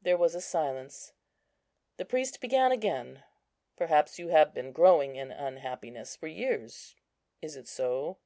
There was a silence. The priest began again: "Perhaps you have been growing in unhappiness for years; is it so?